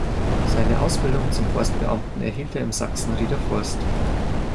Seine Ausbildung zum Forstbeamten erhielt er im Sachsenrieder Forst.